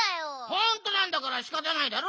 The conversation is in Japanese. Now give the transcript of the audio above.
ほんとなんだからしかたないだろ！